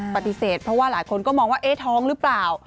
ปฏิเสธเพราะว่าหลายคนก็มองว่าเอ๊ะท้องหรือเปล่า